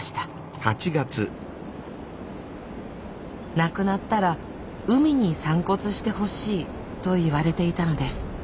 亡くなったら海に散骨してほしいと言われていたのです。